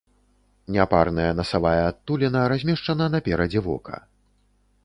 Няпарная насавая адтуліна размешчана наперадзе вока.